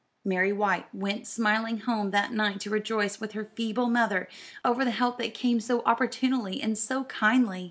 Mary White went smiling home that night to rejoice with her feeble mother over the help that came so opportunely and so kindly.